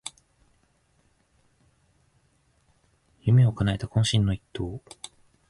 夢をかなえた懇親の一投